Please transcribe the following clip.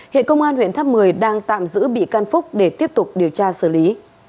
hiện công an huyện tháp một mươi đang tạm giữ bị can phúc để tiếp tục điều tra xử lý